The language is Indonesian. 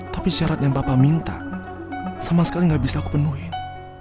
tapi syarat yang bapak minta sama sekali gak bisa aku penuhin